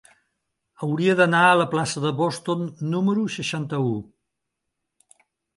Hauria d'anar a la plaça de Boston número seixanta-u.